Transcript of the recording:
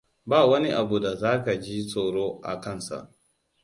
Ba wani abu da za ki ji tsoro a kansa.